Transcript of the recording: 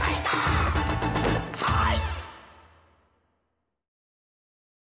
はい！